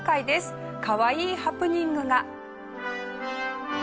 かわいいハプニングが。